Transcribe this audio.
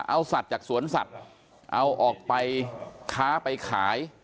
เอาสัตว์จากสวนสัตว์เอาออกไปค้าไปขาย